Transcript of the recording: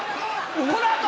このあと。